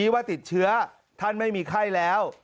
ว่าติดเชื้อท่านไม่มีไข้แล้ว